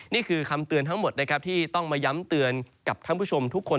นี่คือคำเตือนทั้งหมดนะครับที่ต้องมาย้ำเตือนกับท่านผู้ชมทุกคน